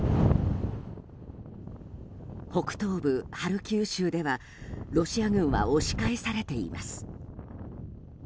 北東部ハルキウ州ではロシア軍は押し返されています。